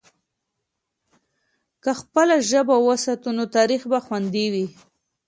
که خپله ژبه وساتو، نو تاریخ به خوندي وي.